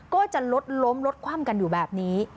ก็จะรถล้มรถคว่ำกันอยู่แบบนี้